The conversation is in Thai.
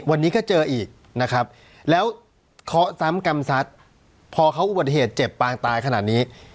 วันนี้ก็เจออีกนะครับแล้วเคาะซ้ำกรรมซัดพอเขาอุบัติเหตุเจ็บปางตายขนาดนี้